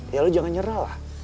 ya lu jangan nyerah lah